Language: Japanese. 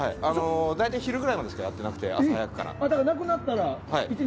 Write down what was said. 大体昼ぐらいまでしかやってなくてだったら、なくなったら。